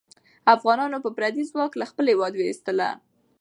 افغانان به پردی ځواک له خپل هېواد ایستله.